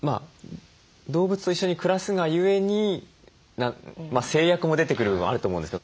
動物と一緒に暮らすがゆえに制約も出てくるのもあると思うんですけど。